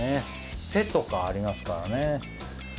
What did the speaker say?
背とかありますからね。